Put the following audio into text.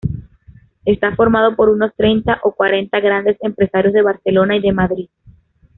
Está formado por unos treinta o cuarenta grandes empresarios de Barcelona y de Madrid.